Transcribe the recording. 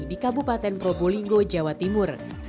di kabupaten probolinggo jawa timur